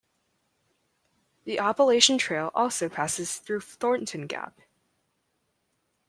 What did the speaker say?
The Appalachian Trail also passes through Thornton Gap.